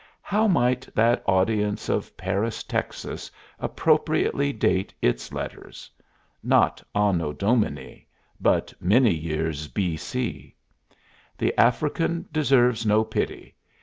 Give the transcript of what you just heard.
How might that audience of Paris, Texas, appropriately date its letters? Not Anno Domini, but many years B.C. The African deserves no pity.